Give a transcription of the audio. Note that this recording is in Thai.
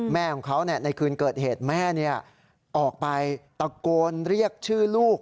แม่ของเขาในคืนเกิดเหตุแม่ออกไปตะโกนเรียกชื่อลูก